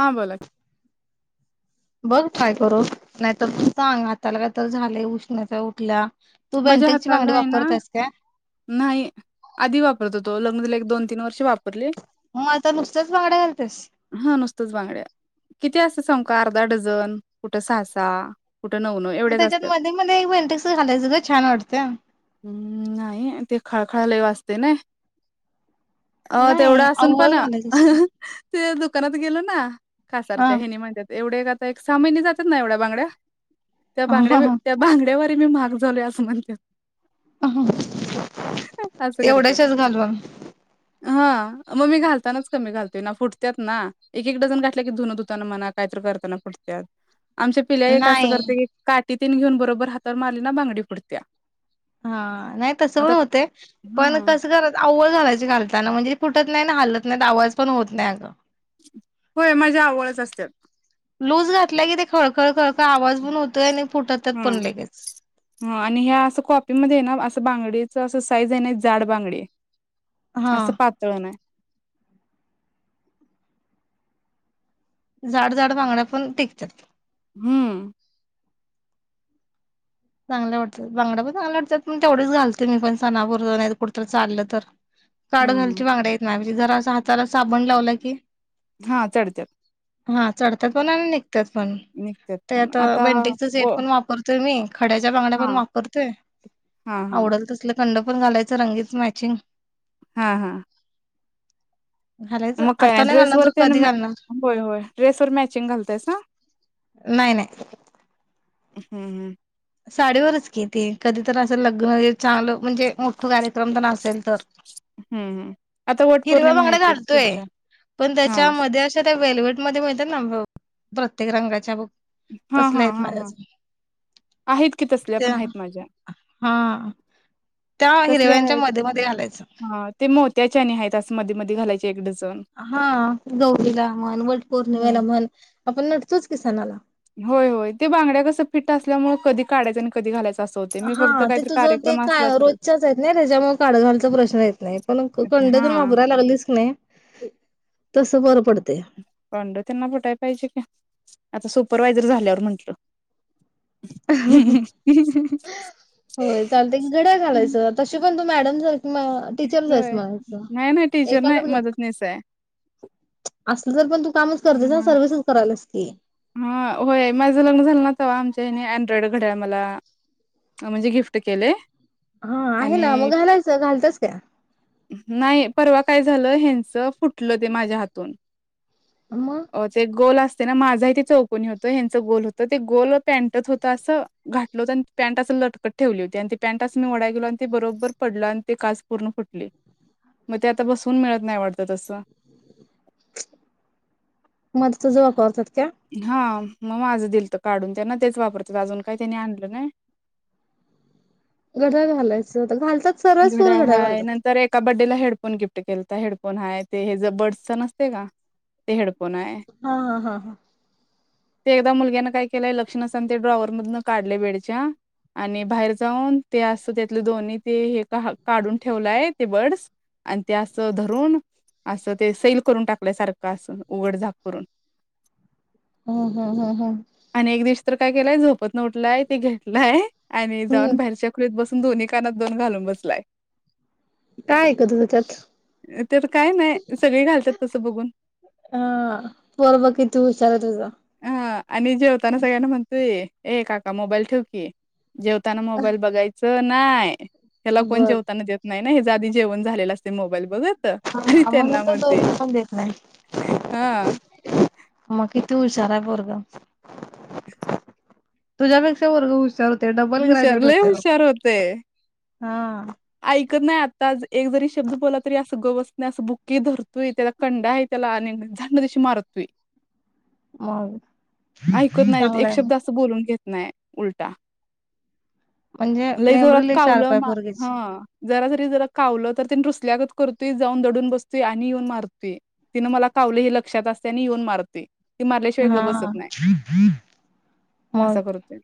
हां बोला. बघ ट्राय करून, नाहीतर तू सांग, हाताला काय तर झालंय, उष्णता उठल्या. तू माझ्या बेनटेकची हाताला बांगडी आहे ना वापरत्यास काय? नाही, आधी वापरत हूतो, लग्न झाल्यावर एक दोन तीन वर्ष वापरली. मग आता नुसतच बांगड्या घालत्यास. हा नुसतंच बांगड्या. किती असत सांगु का, अर्धा डझन, कुठं सासा, कुठं नऊ मग त्याच्यात मध्ये मध्ये एकं बेंटेस्ट घालायचं ग छान वाटतंय. हम्म नाही, ते खळखळा लय वाजतय नाई. अ तेवढं नाही असून पण अव्वल घालायचं असतं त दुकानात गेलं ना, हा कासारच्या हनी म्हनत्यात एवढे आता एक सहा महिने जात्यात ना एवढ्या बांगड्या, त्या हा बगड्या हा त्या बांड्यावर मी महाग झालोय असं म्हणत्यात. हां. असं करत्यात.. हा मग मी घालतानाच कमी घालतोय ना फुटतात ना. एक एक डझन घातल्या की, धुन धुताना म्हणा कायत करताना फुटत्यात. आमच्या पिल्या एक असं नाही करते की, काटी तीन घेऊन बरोबर हातावर मारली ना बांगडी फुटत्या. हा, नाही तसं पण आता होते पण हां. कसं क ''--'' अवळ घालायची घालताना म्हणजे फुटत नाही हलत नाही आवाज पण होत नाही अगं. होय माझ्या आवळच असतात. लूज घातलाय की ते खळखळ खळखळ आवाज पण होतोय आणि फुटत ''--'' हम्म, ह आणि ह्या असं कॉपीमध्ये ना असं बांगडेच असं साईज आहे ना जाड बांगडी आहे. हा असं पातळ नाही. झाड झाड बांगड्या पण टिकतात. हम्म, चांगले वाटतात बांडा पण चांगले वाटतात पण तेवढेच घालते मी पण सणापूर नाहीतर कुठेतरी चाललं तर चाललं तर. हं, काड घालच्या हं. बांगडा हाय माझ्यापाशी नाही जरा अस हाताला साबण लावलं की, हा चढत्यात. हा चढतात पण आणि निघतात पण निघत्यात पण. त्यात आता बेंटिकच सेट ओ पण वापरत. त मी खड्याच्या बांड्या पण हां, वापरतोय हां, हां, आवडल तसल. कंड पण घालायचं रंगीच मॅचिंग. हा हा, घालायचं मग काय आता नाही घालणार ड्रेसवरर तर त्या कधी घालणार होय होय ड्रेसवरर मॅचिंग घालतायस सा! नाही नाही. हम् हम्, साडीवरच की ती कधी तर असेल लग्न चांगलं म्हणजे मोठ कार्यक्रम तर असेल तर. हम्म हम्म आता वट हिरव्या पौर्णिमा आहे बांगड्या की घालतोय पुढच्या पण हा त्याच्यामध्ये आशा त्या वेलवट. मध्ये मिळतात ना प्रत्येक रंगाच्या बग हा हा तसल्या आहेत हा माझ्या हा जवळ. आहेत की, तसल्या पण आहेत माझ्या. हा त्या तसल्या हिरव्यांच्या आहेत मध्ये मध्ये घालायचं. हा ते मोत्याच्या आणि आहेत अस मध्ये मध्ये घालायचे एक डझन. हा गौरीला म्हण वट पौर्णिमेला हम्म म्हण आपण नटतोच की सनाला. होय होय ते बांगड्या कसं फिट असल्यामुळे कधी काायं आणि कधी घालायचं. असं होते मी हा फक्त ते काहीतरी तुझं ते कार्यक्रम असला काय तरच रोजच्याच आहेत ना त्याच्यामुळे काळ घायचा प्रश्न येत नाही. पण कंडे हा जर वापराय लागलीस की नाही तस बरं पडत य. आता सुपरवायझर झाल्यावर म्हटलं. हम्म ह. [inaudible] ते गड्या घालायचं तशी पण तू मॅडम सारखे मॅ ''--'' टीचर्स आहेस होय मलाच नाही नाही टीचर नाही एखादं म्हण. मदतनीस आहे असल तर पण तू कामच करतेस ना हा सर्विसच करायलास की, हा, होय माझं लग्न झालं नावा आमच्या हेनी अँड्रॉइड घडयाळ मला. म्हणजे गिफ्ट केलेय. हा, आहे ना मग घालायचं घालतोस काय? नाही परवा काय झालं हच फुटलं ते माझ्या हातून. मग. ते गोल असते ना माझाही ते चौकनी होत ह्यांचं गोल होतं ते गोल पॅटत होत असं घाट ''--'' होत पॅ्ट असं लटकट ठेवली होती आणि ते पँट असं मी वडाय गेलो आणि ते बरोबर पडला आणि ते काच पूर्ण फुटली. मग ते आता बसवून मिळत नाही वाटत तसं. मध्ये तुझं वापरतात का? हा मग माझं दिलत काढून त्यांना, तेच वापरतात अजून काही त्यांनी आणलं नाही. घड्याळ घालायचं, आता घालतात सर्वच पोरी घड्याळ हाय घालतात. नंतर एका बड्डेला हेडफोन गिफ्ट केलता, हेडफोन हाय, ते हेज बर्डसचा नसतय का? ते हेडफोन हाय, हा हा हा हा ते एकदा मुलग्यान काय केलं, ते लक्ष नसताना ते ड्रॉवर मधंन काढल बेडच्या आणि बाहेर जाऊन ते असत त्यात दोन्ही ते हे, भाग काढून ठेवलाय ते बर्ड्स, आणि ते असं धरून असं ते सैल करून टाकलय सारखं असं उघड झाक करून. हो का, हा हा आणि एक दिवस तर काय केलाय, झोपतन उठलाय ते घेतलाय आणि जाऊन हम्म बाहेरच्या खोलीत बसून दोन्ही कानात दोन घालून बसलाय. काय ऐकत हुता त्यात? त्यात काय नाय, सगळी घालण्यात तसं बघून. अ, पोरं बघ किती हुशार हाय तुझ. अ आणि जेवताना सगळ्यांना म्हणतोय, ए काका, मोबाईल ठेव की. जेवताना मोबाईल बघायचं नाही, ह्याला कोण बर जेवताना देत नाही नाही ह्यजं आधी जेवण झालेलं असतंय मोबाईल बघत. त आणि हा म्हणून त्यांना तर म्हणतुय, दोन पण देत नाही हा त मग किती हुशार हाय पोरगं. तुझ्यापेक्षा पोरगं हुशार हुतय, डबल हुशार ग्रॅज्युएट लय हुतय बघं. हुशार होतय. हा. ऐकत नाही आताच, एक जरी शब्द बोलला तरी असं गप बसत नाही, असं बुक्की धरतूय, त्या कंडा हाय त्याला आणि झाट दिशी मार तुय, मग ऐकत नाही चांगलं एक आहे मग शब्द बोलून घेत नाही उलटा. म्हणजे जोरात मेंबरी लई शार्प कावलं हाय मा पोरग्याची. हा जरा जरी जरा कावलं तर तेन रुसल्यागत करतुय, जाऊन दडून बसतूय आणि येऊन मारतूय. तिनं मला कावलं हे लक्षात असतय आणि येऊन मारतूय. ती मारल्याशिवाय गप हा बसत नाही, मग असा करतुय.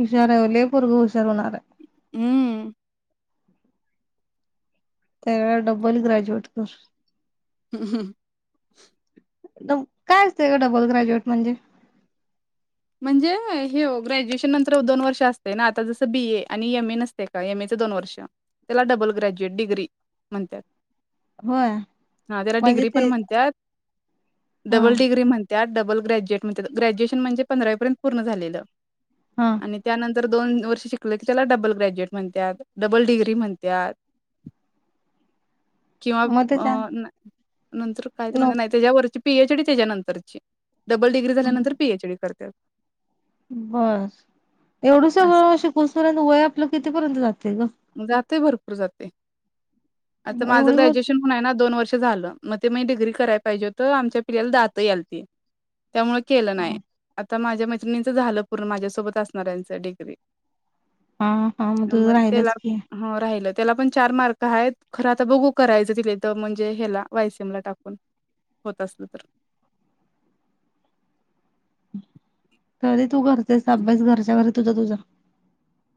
हुशार, लई पोरगं हुशार होणार हाय. हम्म. त्यावेळचा डबल ग्रॅज्युएट कर. हम हं. न्हव काय असतंय ग डबल ग्रॅज्युएट म्हणजे? म्हणजे हे हो ग्रॅज्युएशन नंतर दोन वर्ष असतय ना, आता जसं बी ए आणि एम ए नसते का, एम ए चे दोन वर्ष. त्याला डबल ग्रॅज्युएट, डिग्री म्हणत्यात. होय हा त्याला म्हणजे डिग्री पण ते म्हणत्यात, हा डबल डिग्री म्हण त्यात, डबल ग्रॅज्युएट म्हणत्यात, ग्रॅज्युएशन म्हणजे पंधरावीपर्यंत पूर्ण झालेलं. हा. आणि त्यानंतर दोन वर्ष शिकल की त्याला डबल ग्रॅज्युएट म्हणत्यात डबल डिग्री म्हणत्यात. किंवा मग अ ते नंतर कायतरी नो म्हणत्या, नाही त्याच्या्या वरती पी एच डी त्याच्यानंतरची, डबल डिग्री झाल्यानंतर पी एच डी करत्यात. पी, होय, एवढं सगळं शिकुसपर्यंत, वय आपलं कितीपर्यंत जातय ग? जातय भरपूर जातय, आता माझं एवढी वर्ष ग्रॅज्युएशन नाही ना दोन वर्ष झालं, मग ते मी डिग्री कराय पाहिजे हुतं, आमच्या पिल्ल्याला दातं यालती त्यामुळे केलं नाही हा आता माझ्या मैत्रिणीचं झालं पूर्ण माझ्यासोबत असणाऱ्यांच डिग्री हा हां मग तुझं राहिलंच की हो राहिलं त्याला पण चार मार्क आहेत खरं आता बघू करायचं तिथल्या तिथं टाकून म्हणजे ह्याला वाय सी एमला टाकून होत असलं तर तरी तू करतेस अभ्यास घरच्या घरी तुझा तुझा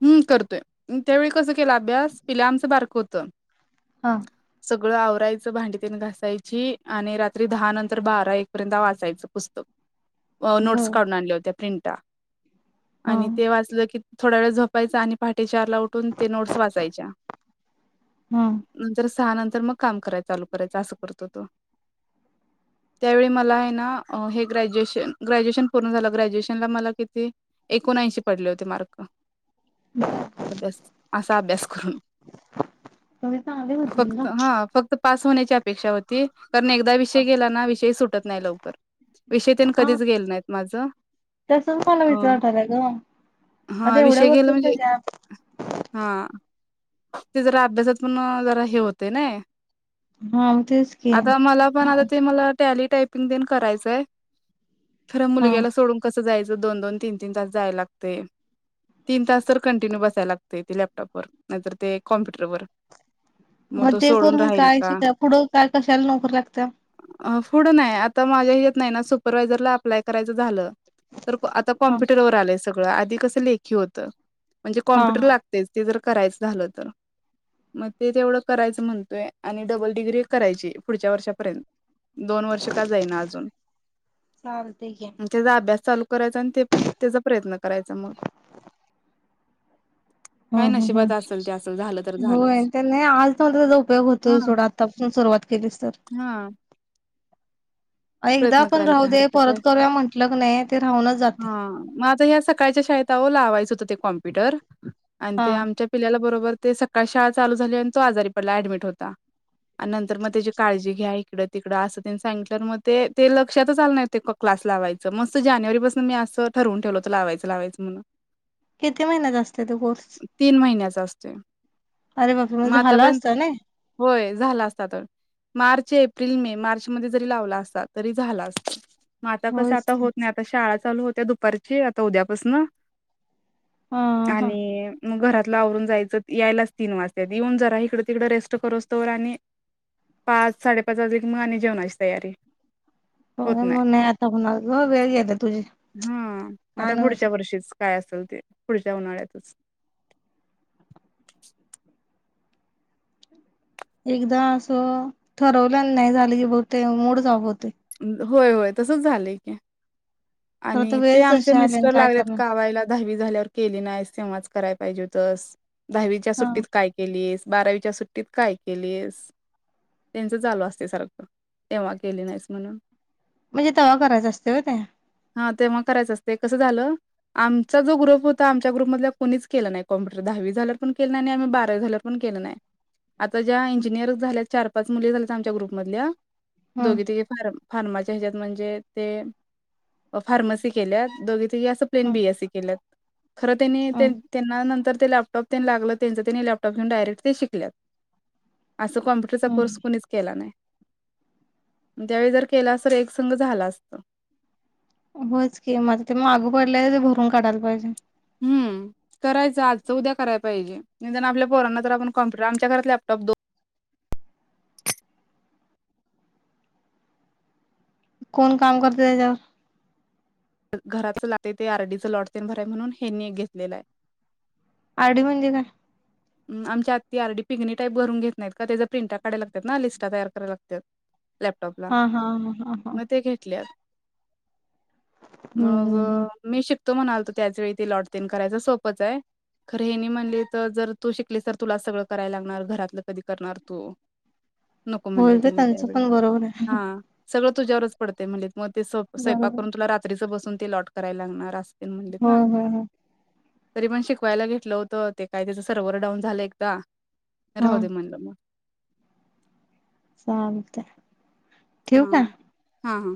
हम् करतोय, त्यावेळी कसं केला अभ्यास, पिल्या आमचं बारकं होतं हा सगळं आवरायचं भांडी तेन घासायची, आणि रात्री दहा नंतर बारा, एक पर्यंत वाचायचं पुस्तक. अ नोटस बर काढून आणल्या होत्या प्रिंटा हा आणि ते वाचलं की थोडा वेळ झोपायचं आणि पहाटे चार ला उठून ते नोट्स वाचायच्या हा नंतर सहा नंतर मग काम कराय चालू करायच असं करत हुतो त्यावेळी मला आहे ना हे ग्रॅज्युएशन ग्रॅज्युएशन पूर्ण झालं ग्रॅज्युएशनला मला किती? एकोणऐंशी पडले होते मार्क अभ्यास असा अभ्यास करून तुम्ही चांगले होते फक्त ना हा फक्त पास होण्याची अपेक्षा होती कारण एकदा विषय गेला ना विषय सुटत नाही लवकर विषय तेन कधीच गेल नाहीत माझं तसंच मला अ भीती वाटल्या ग आता हा एवढ्या विषय गेला वर्षात म्हणजे कधी हा ते जरा अभ्यासात पण जरा हे होते नाही. हा तेच की आता मला पण हा आता ते मला टॅली, टायपिंग तेन करायचंय खरं हा मुलग्याला सोडून कसं जायचं दोन-दोन तीन-तीन तास जायला लागतय तीन तास तर कंटिन्यू बसायला लागतय ते लॅपटॉप वर नाहितर ते कॉम्प्युटरवर मग तो ते सोडून करून राहील काय का शिका पुढं काय कशाला नोकरी लागत्या? पुढं नाही आता माझ्या हिच्यात नाही ना सुपरवायाझरला अप्लाय करायचं झालं तर आता हा कॉम्प्युटरवर आलंय सगळं आधी कसं लेखी होतं म्हणजे हा कॉम्प्युटर हा लागत तेच ते जर करायचं झालं तर मग ते तेवढं करायचं म्हणतोय आणि डबल डिग्री करायची पुढच्या वर्षापर्यंत दोन वर्ष का जाई ना अजून चालतय की त्याचा अभ्यास चालू करायचा आणि ते त्याचा प्रयत्न करायचा मग काय हम हम नशिबात असेल ते असेल झालं तर ह होय झालंच नाही आज त्याचा उपयोग हा होतोय सोड आ ता पासून सुरुवात केलीस तर हा एकदा प्रयत्न आपण करायला राहू काय दे हरकत आहे परत करूया म्हंटलं क नाही ते राहूनच जातय हा मं आता या सकाळच्या शाळेत आओ लावायच होतं ते कॉम्प्युटर आणि हा ते आमच्या पिल्याला बरोबर ते सकाळची शाळा चालू झाली आणि तो आजारी पडला ऍडमिट होता. आणि नंतर मग त्याची काळजी घ्या इकडं तिकडं असं तेन सांगितल्यावर मग ते लक्षातच आलं नाही ते क्लास लावायचं मस्त जानेवारीपासून मी असं ठरवून ठेवलं हुतं लावायचं लावायचं म्हणून [inaudible] किती महिन्याचं असतय ते कोर्स? तीन महिन्याचा असतोय अरे बापरे मग झाला असता आतापर्यंत ना होय झाला असता तर मार्च, एप्रिल, मे मार्च मध्ये जरी लावला अस ता तरी झालं असतं मं आता कस होयच आता की होतं नाही आता शाळा चालू होत्या दुपारची आता उद्यापसन हा हा आणि मग घरातला आवरून जायचं यायलाच तीन वाजता येऊन जरा इकडं तिकडं रेस्ट करुसतोवर आणि पाच साडेपाच वाजे मग आणि जेवणाची तयारी. होत होय नाही मग आता होणार ग वेळ गेला तुझी हा काय आता नव्हच पुढच्या वर्षीच. काय असेल ते पुढच्या उन्हाळ्यातच. एकदा असं ठरवल्या नाही झालं की बघते मूडच ऑफ होतोय. होय होय तसच झालंय की. खरं तर आणि ते वेळच आमचे अशी आली आणि मिस्टर काय लागलेत करणार कावायला दहावी झाल्यावर केली नाही तेव्हाच कराय पाहिजे होतस दहावीच्या हा सुट्टीत काय केलीस बारावीच्या सुट्टीत काय केलीस. त्यांचं चालू असते सारखं तेव्हा केले नाहीस म्हणून. म्हणजे तेव्हा करायचं असते व्हय ते? हा तेव्हा करायचं असतय कसं झालं. आमचा जो ग्रुप होता आमच्या ग्रुपमधल्या कोणीच केला नाही कम्प्युटर दहावी झाल्यावर पण केलं नाही आणि बारावी झाल्या वर पण केलं नाही. आता ज्या इंजिनियर झाल्या चार पाच मुली झाल्यात आमच्या ग्रुपमधल्या. हम्म दोघी तिघी फार् फार्माचे ह्याच्यात म्हणजे ते फार्मसी केल्यात दोघी तिघी असं प्लेन हम्म बी एस सी केल्यात खर त्यांनी ते हम्म त्यांना नंतर ते लॅपटॉप तेन लागलं त्यांचं त्यांनी लॅपटॉप घेऊन डायरेक्ट ते शिकल्यात. असं कॉम्प्युटरचा कोर्स हम्म कुणीच केला नाही. त्यावेळी जर केला अस तर एक संग झाला असत. होयं च की मगं आता ते मग माग पडले ते भरून काढायला पाहिजे. हम्म. करायचं आजच उद्या कराय पाहिजे निदान आपल्या पोरांना तर आपण कॉम्पुटर आमच्या घरात लॅपटॉप दोन कोण काम करत त्याच्यावर? घराचं लागते ते आर डी चं लॉट तेन भराय म्हणून हेनीं एक घेतलेलं आहे. आर डी म्हणजे काय? आमच्या आती आर डी पिगणी टाईभरून घेत नाही का त्याचा प्रिंटा काढायला लागतात ना लिस्ट तयार करायला लागतात. लॅपटॉपला हा हा हा हा हा मग ते घेतल्यात. हम्म मग. हम्म हम्म मी शिकतो म्हणालतो त्याचवेेळी ते लॉटतेन करायचं सोपंच आहे. खर हेनी म्हणली तर जर तू शिकलीस तर तुलाच सगळं करायला लागणार घरातलं कधी करणार तू. नको होय म्हणले गं त्यानी त्यांचं त्यावेळी पण बरोबर आहे. हां. सगळं तुझ्यावरच पडते म्हलित मग ते स्वयंपाक बरोबर करून तुला रात्रीचं बसून ते लॉट करायला लागणार अस. होय होय होय तरी पण शिकवायला घेतलं होत ते काय सर्व्हर डाऊन झालं एकदा हा राहू दे म्हणलं मग. चालतय. हा हा हा.